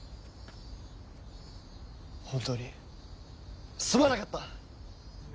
本当にすまなかった！